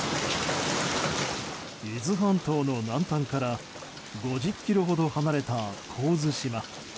伊豆半島の南端から５０ｋｍほど離れた神津島。